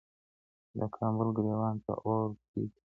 چي د کابل ګرېوان ته اور توی که